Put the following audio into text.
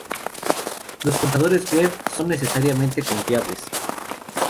Los contadores web no son necesariamente confiables.